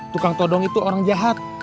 tukang todong itu orang jahat